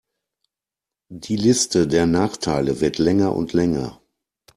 Die Liste der Nachteile wird länger und länger.